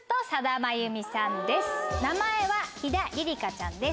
名前は肥田莉里香ちゃんです。